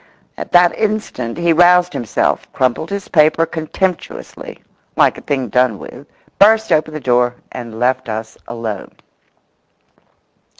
At that instant he roused himself, crumpled his paper contemptuously, like a thing done with, burst open the door, and left us alone.